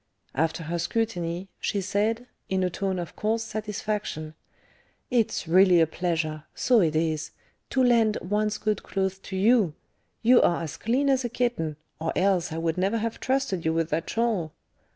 After her scrutiny, she said, in a tone of coarse satisfaction, "It's really a pleasure so it is to lend one's good clothes to you; you are as clean as a kitten, or else I would never have trusted you with that shawl.